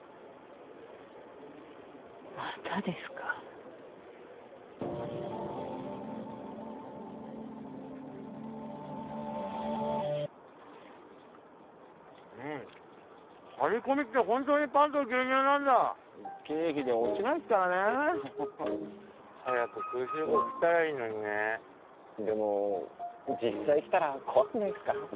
またですかうんっ張り込みってホントにパンと牛乳なんだ経費で落ちないっすからね早くクウシュウゴウ来たらいいのにねでも実際来たら怖くないすか？